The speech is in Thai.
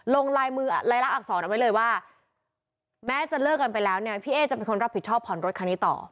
ลงลายมือรายละอักษรเอาไว้เลยว่าแม้จะเลิกกันไปแล้วเนี่ยพี่เอ๊จะเป็นคนรับผิดชอบผ่อนรถคันนี้ต่อ